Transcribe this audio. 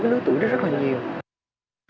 cái lưới tuổi rất là nhiều